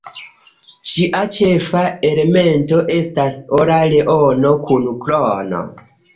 Ĝia ĉefa elemento estas ora leono kun krono.